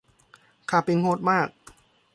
ค่าปิงโหดมาก